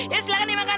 yuk silahkan dimakan